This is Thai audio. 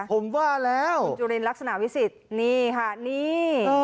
คุณจุลินลักษณะวิสิทธิ์นี่ค่ะนี่